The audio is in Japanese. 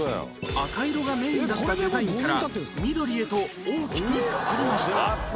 赤色がメインだったデザインから緑へと大きく変わりました